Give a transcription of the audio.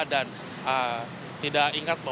dan tidak ingat